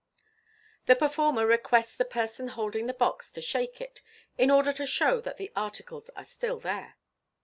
The performer requests the person holding the box to shake it, in order to show that the articles are still there.